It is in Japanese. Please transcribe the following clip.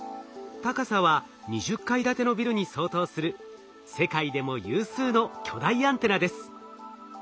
高さは２０階建てのビルに相当する世界でも有数の巨大アンテナです。